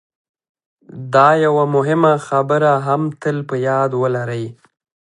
دا یوه مهمه خبره هم تل په یاد ولرئ